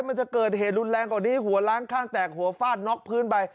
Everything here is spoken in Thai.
มันจะเกิดเหตุรุนแรงกว่านี้หัวล้างข้างแตกหัวฟาดน็อกพื้นไป